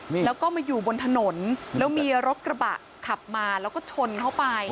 นี่แล้วก็มาอยู่บนถนนแล้วมีรถกระบะขับมาแล้วก็ชนเข้าไป